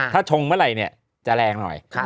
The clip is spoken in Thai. ถ้าชงเมื่อไหร่จะแรงหน่อย